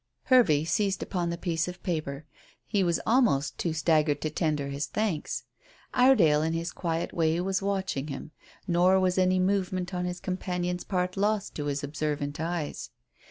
Hervey seized upon the piece of paper. He was almost too staggered to tender his thanks. Iredale in his quiet way was watching, nor was any movement on his companion's part lost to his observant eyes.